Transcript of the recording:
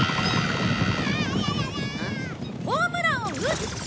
ホームランを打つ！